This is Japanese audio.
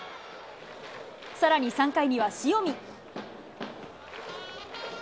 さらに３回には塩見。